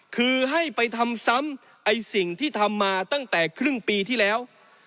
คือให้ไปทำซ้ำไอ้สิ่งที่ทำมาตั้งแต่ครึ่งปีที่แล้ว